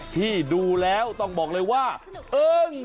ที่ดูแล้วต้องบอกเลยว่าอึ้ง